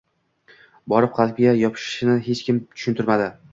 borib, qalbga yopishishini hech kim tushuntirmadi.